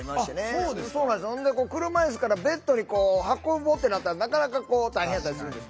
あそうですか。ほんで車いすからベッドにこう運ぼうってなったらなかなかこう大変やったりするんです。